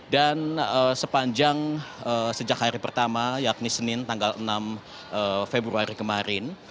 dan sepanjang sejak hari pertama yakni senin tanggal enam februari kemarin